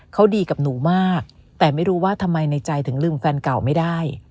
เขาดีกับหนูมากแต่ไม่รู้ว่าทำไมในใจถึงลืมแฟนเก่าไม่ได้